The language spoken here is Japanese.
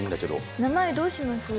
名前どうします？